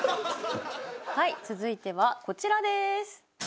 はい続いてはこちらです。